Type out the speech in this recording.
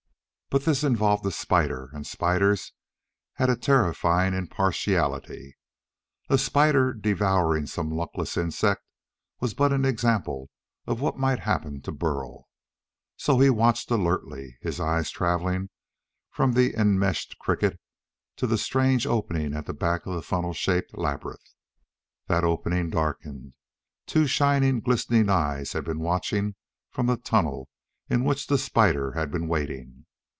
But this involved a spider, and spiders have a terrifying impartiality. A spider devouring some luckless insect was but an example of what might happen to Burl. So he watched alertly, his eyes traveling from the enmeshed cricket to the strange opening at the back of the funnel shaped labyrinth. That opening darkened. Two shining, glistening eyes had been watching from the tunnel in which the spider had been waiting.